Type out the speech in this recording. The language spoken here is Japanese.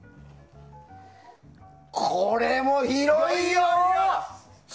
これも広いよ！